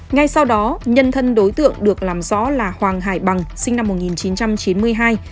ngay sau đó nhân thân đối tượng được làm rõ là hoàng hải bằng sinh năm một nghìn chín trăm chín mươi hai